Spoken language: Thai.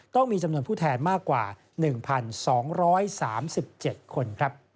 ต้องมีจำนวนผู้แทนมากกว่า๑๒๓๗คน